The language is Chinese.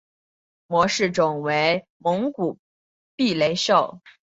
模式种为蒙古鼻雷兽。